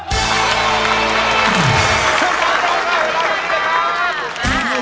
เชิญครับร้องได้